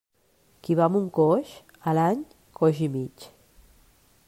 Qui va amb un coix, a l'any, coix i mig.